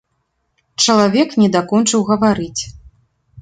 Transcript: Чалавек не дакончыў гаварыць.